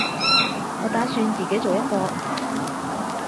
我打算自己做一個